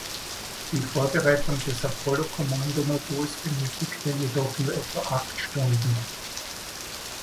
Die Vorbereitung des Apollo-Kommandomoduls benötigte jedoch nur etwa acht Stunden.